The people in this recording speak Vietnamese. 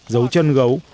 dấu chân gấu